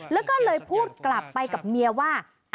แล้วก็เลยพูดกลับไปกับเมียว่า